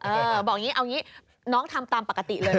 เอาอย่างนี้น้องทำตามปกติเลย